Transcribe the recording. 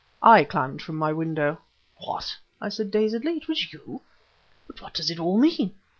"I climbed from my window!" "What!" I said dazedly "it was you! But what does it all mean?